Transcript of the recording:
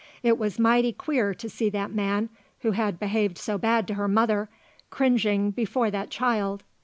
It was mighty queer to see that man, who had behaved so bad to her mother, cringing before that child.